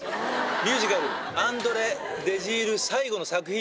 ミュージカル『アンドレ・デジール最後の作品』。